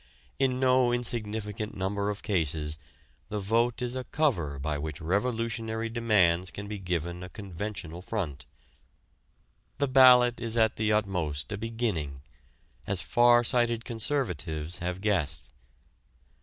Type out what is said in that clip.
In no insignificant number of cases the vote is a cover by which revolutionary demands can be given a conventional front. The ballot is at the utmost a beginning, as far sighted conservatives have guessed.